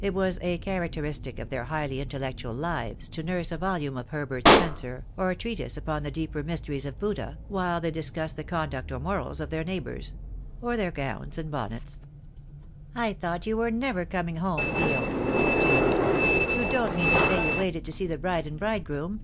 It was a characteristic of their highly intellectual lives to nurse a volume of Herbert Spencer or a treatise upon the deeper mysteries of Buddha, while they discussed the conduct or morals of their neighbours — or their gowns and bonnets. "I thought you were never coming home, Theo," said Janet. "You don't mean to say you waited to see the bride and bridegroom?"